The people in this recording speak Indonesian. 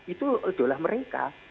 itu idola mereka